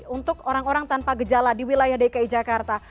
untuk orang orang tanpa gejala di wilayah dki jakarta